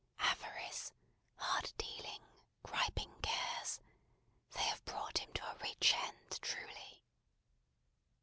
Avarice, hard dealing, griping cares? They have brought him to a rich end, truly!